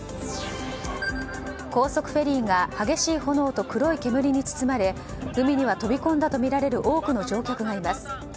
高速フェリーが激しい炎と黒い煙に包まれ海には飛び込んだとみられる多くの乗客がいます。